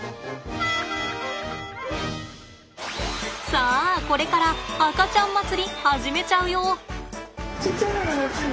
さあこれから赤ちゃん祭り始めちゃうよ！